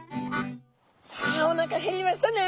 さあおなか減りましたね。